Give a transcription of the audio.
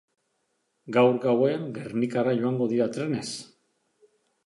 Gaur gauean Gernikara joango dira trenez.